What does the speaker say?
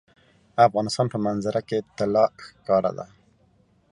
د افغانستان په منظره کې طلا ښکاره ده.